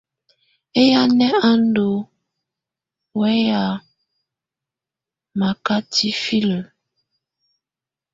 Ɛyanɛ̀ á ndù wɛ̀ya maka tifilǝ?